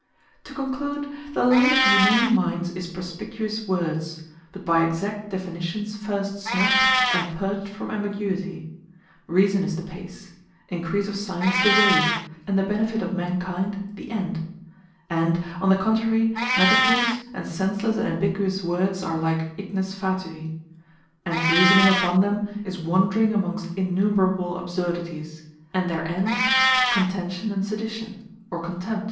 To conclude, The Light of humane minds is Perspicuous Words, but by exact definitions first snuffed, and purged from ambiguity; Reason is the Pace; Encrease of Science, the Way; and the Benefit of man kind, the End. And on the contrary, Metaphors, and senslesse and ambiguous words, are like Ignes Fatui; and reasoning upon them, is wandering amongst innumerable absurdities; and their end, contention, and sedition, or contempt.